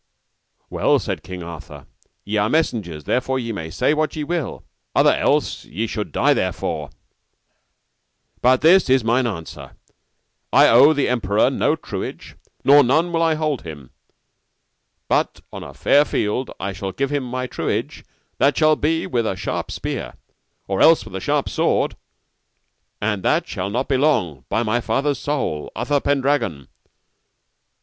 Well, said King Arthur, ye are messengers, therefore ye may say what ye will, other else ye should die therefore. But this is mine answer: I owe the emperor no truage, nor none will I hold him, but on a fair field I shall give him my truage that shall be with a sharp spear, or else with a sharp sword, and that shall not be long, by my father's soul, Uther Pendragon.